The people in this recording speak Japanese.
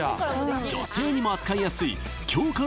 女性にも扱いやすい強化